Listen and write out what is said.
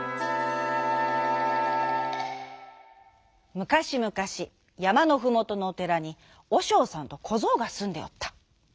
むかしむかしやまのふもとのおてらにおしょうさんとこぞうがすんでおった。